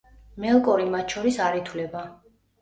მელკორი მათ შორის არ ითვლება.